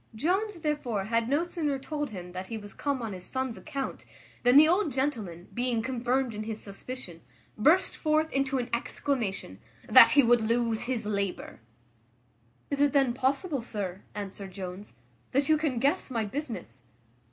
Jones therefore had no sooner told him that he was come on his son's account than the old gentleman, being confirmed in his suspicion, burst forth into an exclamation, "That he would lose his labour." "Is it then possible, sir," answered Jones, "that you can guess my business?"